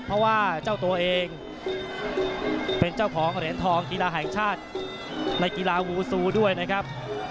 เพราะว่าเจ้าตัวเองเป็นเจ้าของเหรียญทองกีฬาแห่งชาติในกีฬาวูซูด้วยนะครับ